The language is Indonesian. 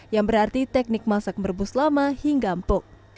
yang berarti teknik masak merebus lama hingga empuk